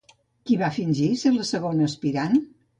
Qui va fingir ser la segona aspirant?